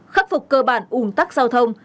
sáu khắc phục cơ bản ủng tắc giao thông